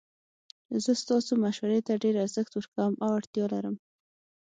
زه ستاسو مشورې ته ډیر ارزښت ورکوم او اړتیا لرم